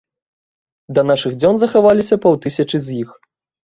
Да нашых дзён захаваліся паўтысячы з іх.